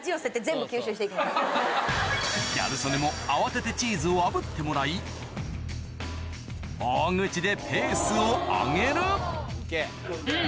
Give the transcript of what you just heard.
ギャル曽根も慌ててチーズをあぶってもらい大口でペースを上げるうん。